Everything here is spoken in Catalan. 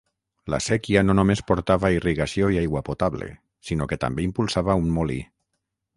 La séquia no només portava irrigació i aigua potable, sinó que també impulsava un molí.